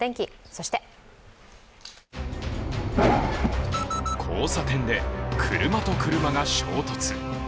そして交差点で車と車が衝突。